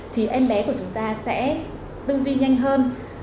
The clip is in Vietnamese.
thì em bé của chúng ta sẽ tư duy nhanh hơn